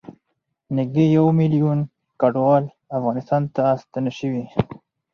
نږدې یوه میلیون کډوال افغانستان ته ستانه شوي